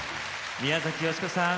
宮崎美子さん